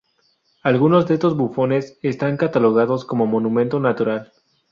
Algunos de estos bufones están catalogados como Monumento Natural